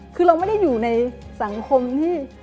คือเราไม่ได้อยู่ในสังคมที่